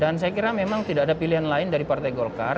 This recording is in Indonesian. dan saya kira memang tidak ada pilihan lain dari partai golkar